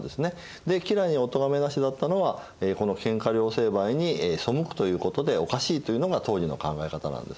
吉良におとがめなしだったのはこの喧嘩両成敗に背くということでおかしいというのが当時の考え方なんですね。